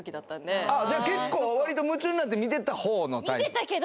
結構割と夢中になって見てたほうのタイプ？